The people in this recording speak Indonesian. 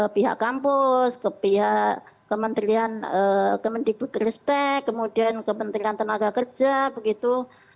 pihak kampus ke pihak kemendirian kemendibutristek kemudian kemendirian tenaga kerja begitu